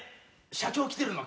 社長来てるの？